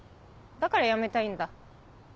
だから辞めたいんだ。